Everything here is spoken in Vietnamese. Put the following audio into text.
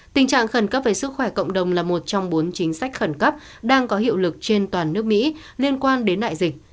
tình trạng khẩn cấp về sức khỏe cộng đồng là một trong bốn chính sách khẩn cấp đang có hiệu lực trên toàn nước mỹ liên quan đến đại dịch